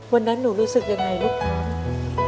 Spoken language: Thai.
วันนั้นหนูรู้สึกยังไงลูกน้อง